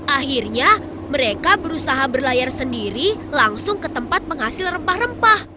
akhirnya mereka berusaha berlayar sendiri langsung ke tempat penghasil rempah rempah